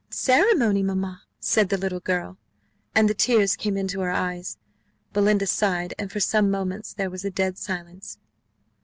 "Ceremony, mamma!" said the little girl, and the tears came into her eyes. Belinda sighed; and for some moments there was a dead silence.